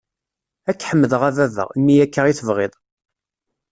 Ad k-ḥemdeɣ a Baba, imi akka i tebɣiḍ!